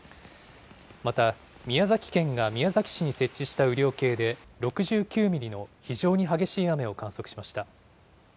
また宮崎県が宮崎市に設置した雨量計で６９ミリの非常に激しい雨を観測しました。